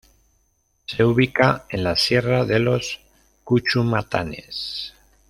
Se ubica en la sierra de los Cuchumatanes.